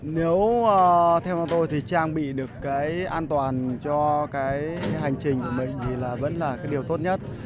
nếu theo ban tổ thì trang bị được cái an toàn cho cái hành trình của mình thì vẫn là cái điều tốt nhất